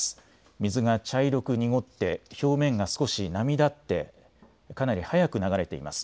水が茶色く濁って表面が少し波立ってかなり速く流れています。